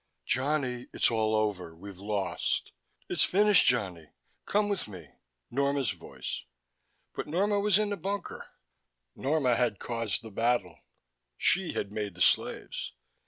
"Johnny, it's all over, we've lost, it's finished. Johnny, come with me." Norma's voice. But Norma was in the bunker. Norma had caused the battle: she had made the slaves.